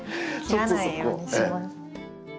切らないようにします。